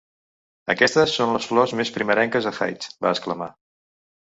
"Aquestes són les flors més primerenques a Heights", va exclamar.